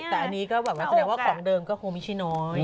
แต่อันนี้ก็บอกมันสามารถของเดิมก็คงมีชิ้นน้อย